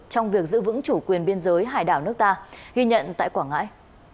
trong việc giữ vững chủ quyền biên giới hải đảo nước ta ghi nhận tại quảng ngãi